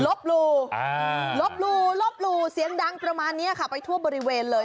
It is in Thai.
บลู่ลบหลู่ลบหลู่เสียงดังประมาณนี้ค่ะไปทั่วบริเวณเลย